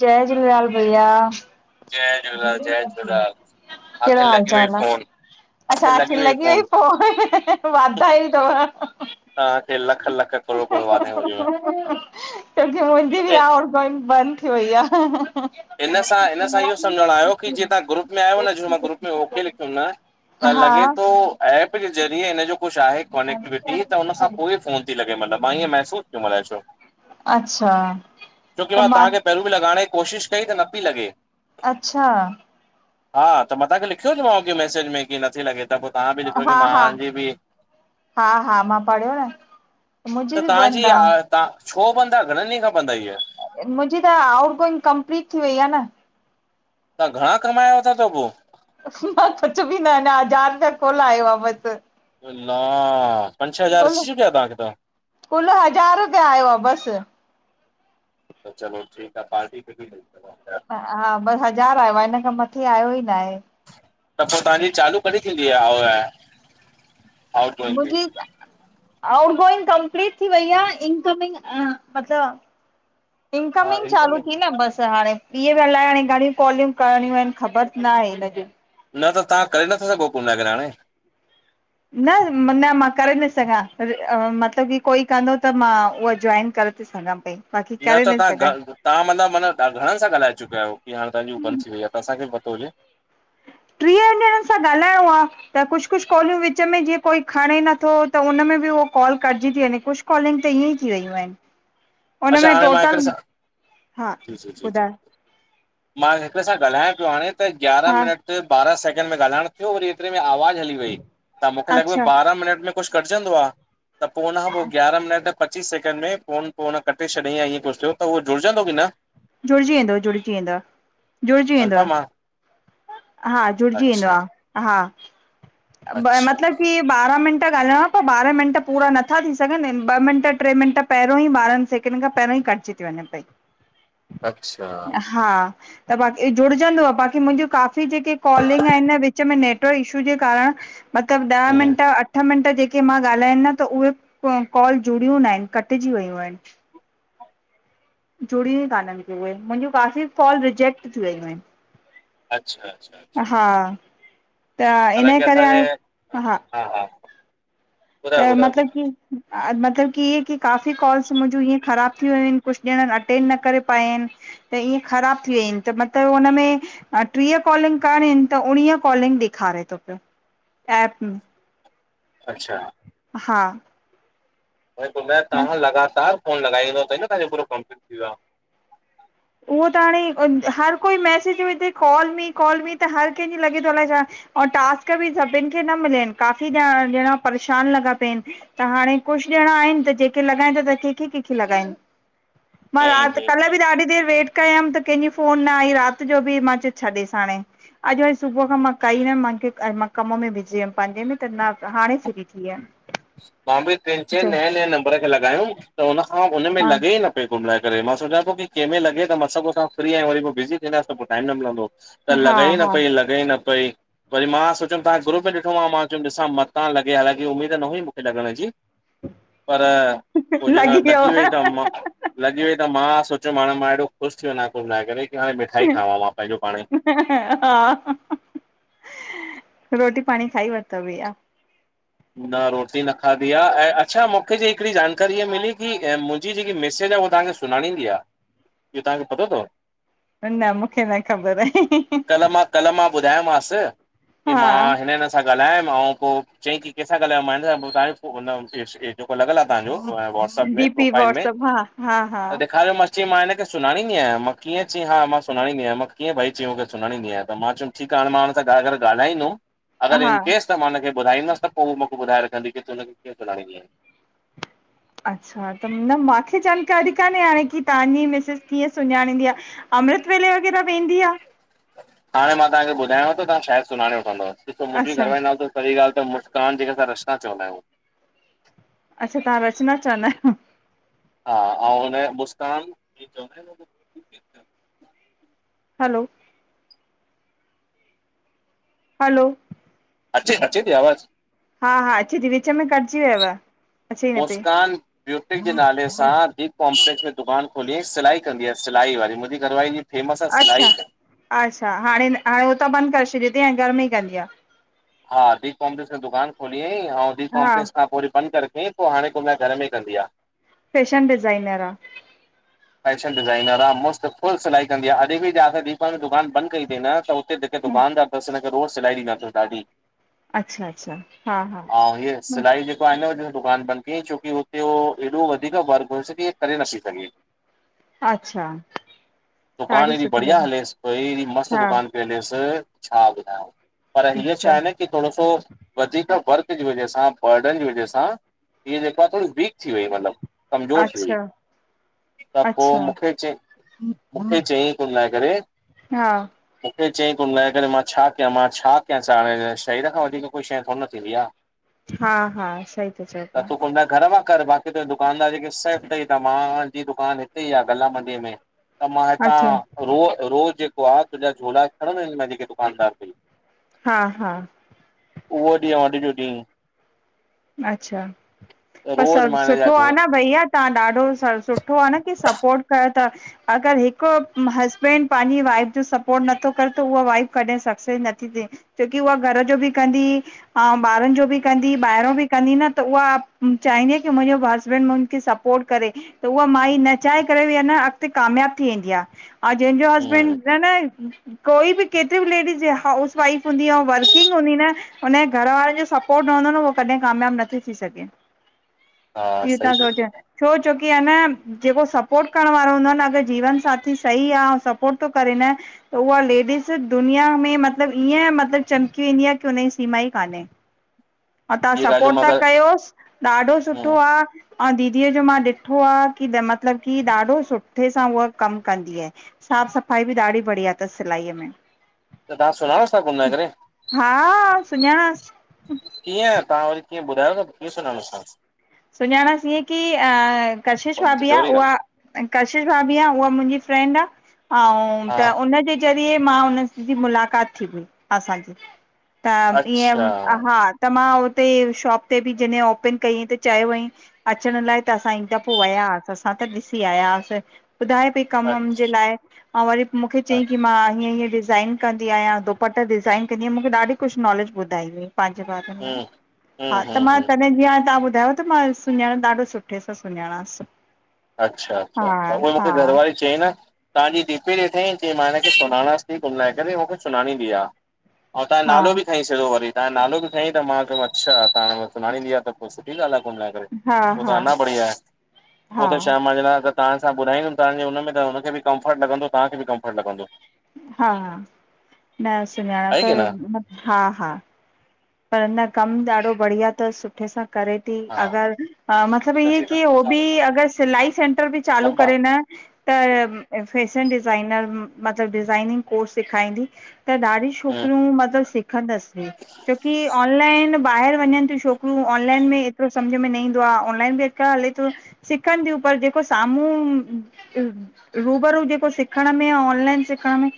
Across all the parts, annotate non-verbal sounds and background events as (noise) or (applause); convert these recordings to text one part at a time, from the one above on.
जय झूलेलाल भईया। जय झूलेलाल, जय झूलेलाल, केड़ो आख़िर हाल लॻी वई चाल आ? फोन, अच्छा आख़िर अख वई लॻी फोन। ई पो, वाधाईयूं तव। तव्हांखे लख लख करोड़ करोड़ वाधायूं हुजेव। (inaudible) छोकी मुंजी बि ए आउट गोइंग बंद थी वई आ। हिन सां हिन सां इहो समझण आयो कि जीका ग्रुप में आयो न जो मां ग्रुप में ओके लिखयुम न, त हा लॻे तो एप जे ज़रिये हिन जो कुझ आहे कॉने क्टिविटी त हुन सां पो ई फोन ती लॻे मन मां ईअं महसूस थियो अलाए छो छो अच्छा कि मां तहांखे पहरु बि लॻाइण ई कोशिशि कई त न पी लगे अच्छा। हा त मां तहांखे लिखियो जो मांव कि मसेज में की नथी लॻे त पो तहां बि लिखियो हा की मां हा जी बि हा हा मां पढ़यो न, मुंजी बि बंद आ ता छो बंद आ घणन ॾींहं खां बंद आ इअ? मुंजी त आउट गोइंग कंप्लीट थी वई आ न। तहां घणा कमाया वता तव पो? मां कुझ बि न अञा हज़ार रुपया कुल आया बस। अल्ला! पंज छह हज़ार कुल अची चुकया तहांखे त। कुल हज़ार जा आया बस। चलो ठीका आहे पार्टी कजो (unintelligible) हा ब हज़ार आयो आ हिन खां मथे आयो ही ना हे। त पो तहांजी चालू कॾी थींदी आ? मुंजी आउट गोइंग कंपलीट थी वई आ इनकमिंग (unintelligible) हा इनकमिंग इनकम चालू थी न बस हाणे। इहे ब़ि अलाए हाणे घणियूं कॉलियूं करणियूं आहिनि? ख़बर न आहे हिन जूं। न त तव्हां करे नथा सघो (unintelligible) हाणे न न, मां करे न थी सघां, मतलबु की कोई कंदो त मां उहा जॉइन करे (unintelligible) न त तां घर तां मतलबु माना घणनि सां ॻाल्हाए चुका आहियो, की हाणे तहांजी हू बंद थी वई आहे? त असांखे भी पतो हुजे। टीहुंनि ॼणनि सां ॻाल्हाइयों आ। त कुछ कुछ कॉलियूं विच में जीअं कोई खणे नथो, त उ हुनमें बि उहो कॉल कटजी ती वंञे। कुछ कॉलिंग त ईअं ई थी वयूं आहिन। अच्छा, हाणे मां हिकड़े सां हा जी जी जी जी ॿुधायो मां हिकुड़े सां ॻाल्हायां पियो हाणे, त ग्यारहं हा मिनट त बारह सेकंड में ॻाल्हाइण थियों, वरी एतरे में आवाज़ हली वई, त मूंखे लॻो अच्छा बारह मिनट में कुछ कटजंदो आ, त पोइ हुनखां पोइ ग्यारह मिनट ऐं पचीस सैकेंड में फोन पो उन कटे छॾीयई या ईअं कुछ थियो, त उहो जुड़जंदो की न? जुड़िजी वेंदो जुड़जी वेंदव, जुड़जी वेंदव। कंफर्म आ हा, जुड़जी वेंदो अच्छा आ, हा अच्छा मतलबु की ॿारहां मिंट ॻाल्हाइयो, पोइ ॿारह मिंट पूरा नथा थीं सघनि, ॿ मिंट ट्रे मिंट पहिरियों ई ॿारनि सेकिंड खां, पहिरियों ई कटिजी थीं वंञे पई। अच्छा! हा, त बाक़ी जुड़जंदोअव बाक़ी मुंहिंजूं काफ़ी जेके कॉलिंग आहिन न, विच में नेट इशू जें कारण, मतिलबु ॾह मिंट अठ मिंट जेके मां ॻाल्हायनि न, त उहे कॉल जुड़ियूं न आहिन, कटिजी वयूं आहिन। (inaudible) जुड़ियूं ई कानन खे उहे, मुंहिंजूं काफ़ी कॉल रिजेक्ट थी वयूं आहिन। अच्छा अच्छा अच्छा हा त इन जे हालांकी करे असांजे हाणे हा हा त ॿुधायो ॿुधायो मतलबु ॿुधायो की मतलबु की इहे की काफ़ी कॉल्स मुंहिंजूं इएंं ख़राब थी वियूं आहिन, कुछ ॼणनि अटेंड न करे पाया आहिन। त ईअं ख़राब थी वई आहिन, त मतिलबु हुन में टीह कॉलिंग करिणी आहिन, त उणिवीह कॉलिंग ॾेखारे थो पियो, एप में। अच्छा! हा हाणे ॿुधायो म तव्हां लगातार फोन लॻाई हुदंव, तॾि न तव्हांजो पूरो कंप्लिट थी वयो आ? उहो त हाणे हर कोई मैसेज विझे, कॉल मी, कॉल मी त हर कंहिंजो लॻे थो अलाए छा ओ टास्क बि सभिननि खें न मिलिया आहिन, काफ़ी ॼणा परेशान लॻा पिया आहिन। त हाणे कुछ ॼणा आहिन, त जेके लॻाइनि था, त कंहिंखे कंहिंखे लॻाइनि? मां हम्म राति, हम्म हम्म कल्ह बि ॾाढी देरि वेट कयमि, त कंहिंजी फोन न आई राति जो बि, मां चयो छॾेसि हाणे। अॼु वरी सुबुह खां मां कई न हुयमि, माखे मां कमु में बिजी हुयमि पंहिंजे में त, मां हाणे फ्री थी वियमि। मां बि टिन चइ अच्छा नएं नएं नबर खे लॻायुमि, त हुनखां हुनमें लगे ई न प्यो घुमलाए करे, मां सोचां थो की कंहिंमें लॻे त सुबह सां फ्री आहियूं, वरी पोइ बिज़ी थी वेंदासि त पोइ टाइम न मिलंदो। त हा हा लॻे ई न हा पई ल लॻे ही न पई, वरी मां सोचयुमि तां ग्रुप में ॾिठो माउ मां चयुंम, ॾिसां मतां लॻे हालांकि उम्मीद उम्मीद न हुई मूंखे लॻण जी, पर पोइ जन लॻी वई त मा लॻी वई त मां सोचियोमि हाणे मां हेॾो ख़ुश थी वञ कुल मिलाए करे, कि हाणे मिठाई खावां मां पंहिंजो पाणई। हा, रोटी पाणी खाई वरितवे भईया? न रोटी न खाधी आ। ऐं अच्छा मूंखे ॼे हिकिड़ी जानकारीय मिली, कि मुंहिंजी जेकी मिसिस आहे उहा तव्हांखे सु सुञाणंदी आहे। इहो तव्हां खें पतो अथव? न न मूंखे न ख़बर आहे। कल मां ॿुधायोमांसि, कि हा मां हिन हिन सां ॻाल्हायमि आओ पोइ चईं कि केसां ॻाल्हायो मां न पो बुधायो पो उन जो जेको लॻल आहे त्हां जो व्हाट्सप्प डीपी प्रोफाइल में, वॉट्सप हा हा हा त ॾेखायो मां स चईं मां हिनखे सुञाणींदी आहियां मां, किय चई हा मां सुञाणींदी आहियां मां, कीअं भई च्यो मां सुञाणींदी आहियां त मां च्यो ठीकु आ हाणे मां हुन सां ॻाल्हाईंदुमि। अॻरि हा इन केस त मां हुनखे ॿुधाईंदसि त पोइ उ मूंखे ॿुधाए रखंदी कि त हुन खे कीअं सुन्याड़दी आहे। अच्छा त न माखे जानकारी कान्हे हाणे कि तव्हांजी मिसिस कीअं सुञाणींदी आ। अमृतवेले वग़ैरह वेंदी आहे। हाणे मां तव्हांखे ॿुधायाव थो, तव्हां शायद सुञाणे वठंदव। ॾिसो मुंहिंजी घर अच्छा वारी जो नालो पहिरीं ॻाल्हि त मुस्कान खें असां रचना चवंदा आहियूं। अच्छा तव्हां रचना चवंदा आहियो। हा ऐं हुनजो मुस्कान इ चवंदा आहिनि। हैलो हैलो अचे अचे थी आवाज़? हा हा अच थी विच में कटॼी वियव अचे ई न पई मुस्कान ब्यूटि जे नाले सां दीप कॉम्पलेक्स में दुकान रुखोली सिलाई कंदी आहे सिलाई वारी मुंहिंजी घरवारी फेमस आहे सिलाई अच्छा में। अच्छा हाणे हाणे उह त बंदि करे छॾियो अथईं ऐं घर में ही कंदी आहे। हा दीप कॉम्पलेस दुकान खोली हुयइ। ऐं दीप हा कॉम्पलेस खां वरी बंद करे रखियईं। पोइ हाणे पोइ घर में ई कंदी आ। फैशन डिज़ाइनर आहे। फैशन डिज़ाइनर आ मस्त फुल सिलाई कंदी आहे। अॾ ॿि तव्हांखे दीपा दुकान बंद कई थई अथईं न त त जेके हम्म दुकानदार अथसि, हिन खें रोज़ सिलाई ॾींद अथसि ॾाढी। अच्छा, अच्छा, हा हा। ऐं हीअ सिलाई जेको आहे न दुकान ॿंदि कयई, छोकी हुते उहो एॾो वधीक वर्क हुयोस की हिअ करे न पई सघे। अच्छा दुकान साड़ी हेॾी सुठी बढ़िया ॻाल्हि हले स पई हेॾी मस्त हा दुकान बेनेसर छा ॿुधंयाव, पर हीअ छा अच्छा आहे न थोरो सो वधीक वर्क जी वजह सां, बर्डन जी वजह सां हीअ जेको थोरी विक थी वई, मतिलबु कमज़ोर थी वई। अच्छा त पोइ अच्छा मूंखे चई, मूंखे चई कुल मिलाए करे। हा मूंखे चईं कुल मिलाए करे मां छा कयां, मां छा कयां, हाणे शरीर खां वधीक कोई शइ थोड़े न थींदी आ। हा हा सही था चओ त पिया तूं कोन घर मां बाक़ी तुंहिंजे दुकानदार जेके सेफ अथई। त मां जी दुकान हिते ई आहे गला मंडीअ में। त मां अच्छा हिथां रोज़, रोज़ जे को आहें तुंहिंजा झोला खणणा आहिनि मुंहिंजी जेके दुकान तां। हा, हा उहो ॾींहुं और अज् ॼो ॾींहुं। अच्छा, त पर रोज़ सभ मां हिन जा सुठो आहे जो न भईया। तव्हां ॾाढो सुठो आहे न कि सपोर्ट कयो था। अगर हिक हसबैंड पांजी वाइफ जो सपोट नथो करे त उहा वाइफ कॾहिं सक्सेस नथी थे। छोकी उहा घर जो बि कंदी अऊं ॿारनि जो भी कंदी ॿाहिरो बि कंदी न त उहा चाहिंदी आ कि हुनजो हसबैंड हुनखे सपोट करे त उहा माई न चाए करे वियना अॻिते कामयाबु थी वेंदी आ एं जंहिंजो हम्म हसबैंड न न कोई बि केतिरी बि लेडीज हुजे हाउस वाइफ हूंदी आ वर्किंग हूंदी न हुन जे घर वारे जो सपोर्ट हूंदो न उहो कॾहिं कामयाबु नथी थी सघे हा इह सही त था चओ सोचियो तव्हां छो? छोकी अ न जेको सपोट करण वारो हूंदो आ न अगर जीवन साथी सही आ सपोट थो करे न त उहा लेडीस दुनिया में मतलबु ईअं मतिलबु ईंअ मतलब चमकी वेंदी आहे की हुन जी सीमा ई कान्हे। (inaudible) अह तव्हां इहे ॻाल्हियूं सपोर्ट मां था अगरि कयोसि ॾाढो सुठो हम्म आ। अ दीदीअ जो मां ॾिठो आ की मतलबु की ॾाढो सुठे सां उहा कमु कंदी आहे। साफ़ सफ़ाई बि ॾाढी बढ़िया तस सिलाईअ में। त तव्हां सुञाणो था? कुल मिलाए करे। हा सुञाणांसि। कीअं? तव्हां वरी कीअं ॿुधायो न? कीअं सुञाणोस ता? सुञाणासि इअं की अ कशिश तव्हां भाभी आ जोरी उहा ॻाल्हि कशिश भाभी आ उहा मुंजी फ्रेंड आ अउं हा त उनजे ज़रिए मां उन जी मुलाक़ात थी हुई असांजी त अच्छा ईअं हा त मां हुते शॉप ते बि जॾे ओपन कई त चयो वईं अचण लाइ त असां हिक दफ़ो वयास असां त ॾिसी आयास ॿुधाए पई कम मम अच्छा जे लाइ। अउ वरी मूंखे चयईं की मां हीअं हीअं डिजाइन कंदी आहियां दुप्पटा डिज़ाइन कंदी आहियां मूंखे ॾाढी कुछ नॉलेज ॿुधाईदी पंहिंजे बारे में हम्म हम्म हा त हम्म मां हम्म तॾहिं जीअं तहां ॿु त मां सुञाणा ॾाढो सुठे सां सुञाणासि। अच्छा -अच्छा, अच्छा उई मूंखे घर वारी चई न तव्हांजी डीपी ॾिठईं चयईं मां हिन खे सुनाणास थी कुल मिलाएं करे, मूंखे सुनाणींदी आ। अऊ तहांओ हा नालो बि खयइ सिदो वरी तहांओ नालो बि खयइ त मां चयोमास अच्छा त सुनाणींदी आ त पोइ ठी ॻाल् आ कुल मिलाए करे हा पो हा त अना बढ़िया आहे। पो हा त शाम मजेदार तव तहां सां ॿुराईयूं तहांजे हुन में त हुनखे बि कंफर्ट लॻंदो तहांखे बि कंफर्ट लॻंदो। हा, न सुञाणा आहे त की न हा हा पर न कमु ॾाढो बढ़िया तस सुठे सां करे दी हा अगरि अ मतलब कितना इअ की हो बि चाहिएगा अगर सिलाई सेंटर बि चालू लंबा करे न त फैशन डिजाइनर मतलब डिज़ाइनिंग कोर्स सेखारींदी। त ॾाढी हम्म छोकिरियूं मतलबु सिखंदसि। छोकी ऑनलाइन ॿाहिरि वञनि थियूं छो कि ऑनलाइन ॿाहिर वञनि थियूं छोकरूं ओनलाईन में एतिरो समझ में न ईंदो आ ऑनलाइन बि अॼुकल हले थो। सिखनि थियूं पर जेको साम्हूं रूबरू जेको सिखण में अऊं ऑनलाइन सिखण में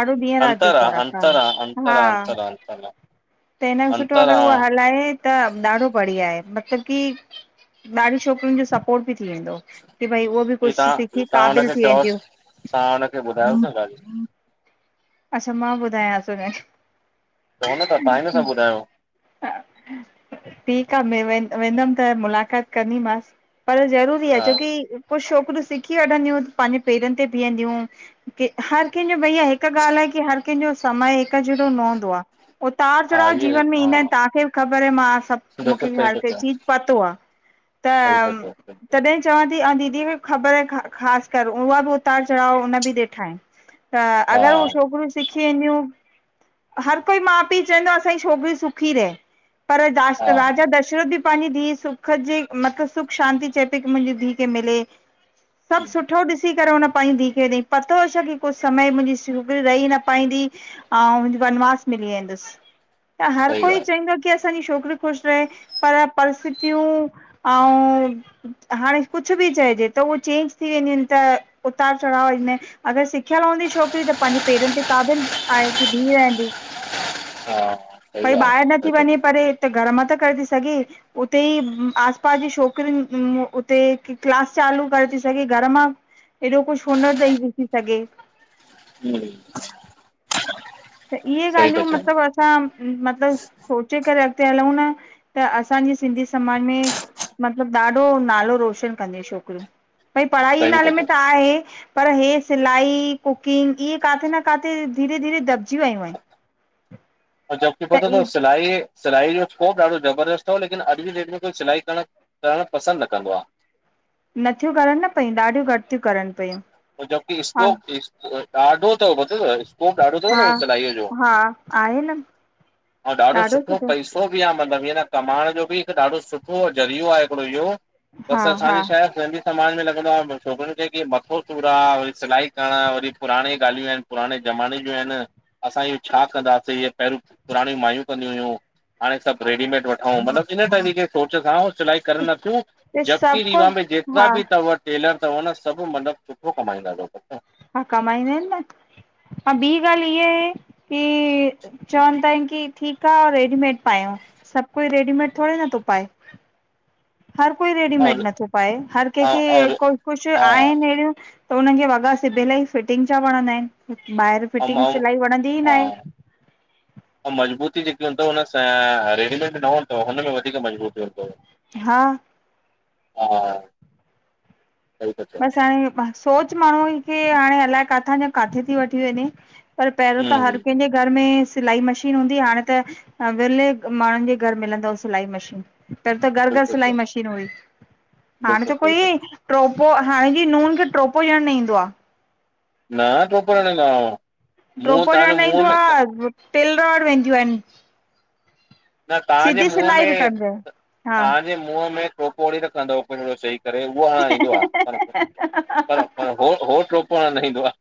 ॾाढो ॾींहं राति जो फ़र्कु आहे। हा। ह त हिन खां सुठो अगरि उह हलाए त ॾाढो बढ़िया आहे मतलबु की ॾाढी छोकिरियुनि जो सपोट बि थी वेंदो। की भई उहो बि कुछ सिखी क़ाबिल थी वेंदियूं। तां हुनखे ॿुधायो न ॻालियूं। अच्छा मां ॿुधायांस हुनखे। चउ न त तव्हांइ नथा ॿुधायो। हह ठीकु आ वें वेंदमि त मुलाक़ात कंदीमास पर ज़रूरु हा छोकी कुछ छोकिरियूं सिखी वठंदियूं पंहिंजे पेरनि ते बीहंदियूं की हर कंहिंजो भईया हिकु ॻाल्हि आहे की हर कंहिंजो समय हिक जहड़ो न हुँदो आ, उतार हा चढ़ाव इहे जीवन में हा ईंदा आहिनि तव्हांखे बि ख़बर मां सभु बिल्कुलु मूंखे बि सही हार था ते चओ जीत पातो आ सही था त चओ सही था तॾहिं चवां थी आउ दीदी खे बि ख़बर आहे ख़ासि कर उहा बि उतार चढ़ाव हुन बि ॾिठा आहिनि त चओ हा अगर उह छोकिरियूं सिखी वेंदियूं हर कोई माउ पीउ चवंदो आ असांजी छोकिरियूं सुुखी रहे पर हा द राजा दशरथ बि पंहिंजी दीस सुख जी मतिलबु सुख शांति चए पे की मुंहिंजी धीउ खे मिले सभु सुठो ॾिसी करे हुन पाईंदी दिअ कॾ पतो होे छा की कुझु समय मुंहिंजी सिग रही न पाईंदी ऐं वनवास मिली वेंदुसि त हर सही कोई ॻाल्हि चवंदो की असांजी छोकिरी ख़ुशि रहे पर परिस्थितियूं ऐं हाणे कुझु बि चएजे त उअ चेंज थी वेंदियूं आहिनि त उतार चढ़ाव ईंदा आहिन अगरि सिखियल हूंंदी छोकिरी त पंहिंजे पेरनि ते क़ाबिल आहे की बीह रहंदी हा सही भई ॻाल्हि ॿाहिरि नथी सही था चओ वञे पर हिते घर मां त करे थी सघे उते ई आस पास जी छोकिरियूं उते क्लास चालू करे थी सघे घर मां एॾो कुझु हुनर तंइ ॾिसी सघे (inaudible) त इहे सही था गाल्हियूं चओ मतलब असां मतिलब सोचे करे अॻिते हलूं न त असांजे सिंधी समाज में मतलबु ॾाढो नालो रोशन कंदियू छोकिरियूं भई पढ़ाई सही था नाले चओ में त आहे पर हे सिलाई कुकिंग इहे काथे न काथे धीरे धीरे दॿजी वयूं आहिनि जबकि पतो त इ तवं सिलाई सिलाई जो स्कोप ॾाढो ज़बरदस्त हुओ लेकिन अॼु जी डेट में कोई सिलाई करणु करणु पसंदि न कंदो आहे नथियूं करनि न पयूं ॾाढियूं घटि थियूं करनि पियूं जबकि स्कोप ॾाढो अथव ॿुधव स्कोप ॾाढो अथव हा न सिलाईअ जो हा आहे न ऐं ॾाढो सुठो पैस सुठो बि आहे मतिलब कमाइण जो बि हिकु ॾाढो सुठो ज़रियो आहे हिकिड़ो इहो हा बसि हा असांजे छाहे सिंधी समाज में लॻंदो आहे छोकिरियुनि खे कि मथो ूसूरा वरी सिलाई करणु वरी पुराणी ॻाल्हियूं आ आहिनि पुराणे ज़माने जूं आहिनि असां इयो छा कंदासीं ह पहिरियों पुराणी माययूं कंदियूं हुइयूं हाणे सभु रेडीमेड वठूं मतलबु इन तरीक़े सोच सां सिलाई करनि नथियूं त जबकी सभु को रीवा में जेतिरा हा बि अथव टेलर अथव न सभु मतिलबु सुठो कमाईंदा तंव हा कमाईंदा आहिनि न हा ॿी ॻाल्हि इहा आहे की चवंद था आहिनि की ठीकु आहे रेडीमेड पायूं सभु कोई रेडीमेड थोरे न थो पाए। हर कोई रेडीमेड और नथो पाए हर कंहिंखे और और कु कुझु हा आहिनि अहिड़ियूं त हुनन्हनि खे वॻा सिबियल ई फिटिंग जा वणंदा आहिनि ॿाहिरि फिटिंग सिलाई वणंदी ई ना हा आहे (inaudible) ऐं मज़बूती जेकी हूंदव हुन रेडीमेड न हूंदोव हुनमें वधीक मज़बूती हूंदव। हा हा। सही था चओ बसि हाणे सोच माण्हू खे हाणे अलाए किथां जी किथे थी वठी वञे। पर पहिरियों त हम्म हर हम्म कंहिंजे घर में सिलाई मशीन हूंदी, हाणे त विरले माण्हुनि जे घर मिलंदव सिलाई मशीन। पहिंरी त घर घर बिल्कुलु सिलाई सही मशीन हुई हाणे बिल्कुलु त सही था कोई प्रो पोइ हाणे जी नूहन खे ट्रोपो ॾियणु न ईंदो आ। नहं टोपण लाइ। ड्रोपो ॾियण न ईंदो आ, टेलर वटि वेंदियूं आहिनि। न तहांजे मुंहं सिलाई बि में, कंदियूं आहिन हा। तहांजे मुंहं में टोपो ॾई रखंदव, (unintelligible) करे उहो हाणणु ईंदो आ, पर पर पर हो टोपो हणण न ईंदो आ।